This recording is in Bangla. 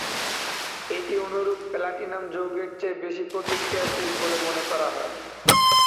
এটি অনুরূপ প্ল্যাটিনাম যৌগের চেয়ে বেশি প্রতিক্রিয়াশীল বলে মনে করা হয়।